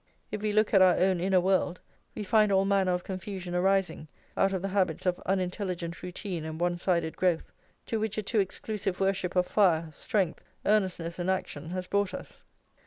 If we look at our own inner world, we find all manner of confusion arising out of the habits of unintelligent routine and one sided growth, to which a too exclusive worship of fire, strength, earnestness, and action has brought us.